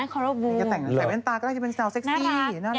ก็แต่งใส่แว่นตาก็ได้จะเป็นสัวเซ็กซี่น่ารัก